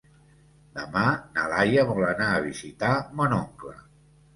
Demà na Laia vol anar a visitar mon oncle.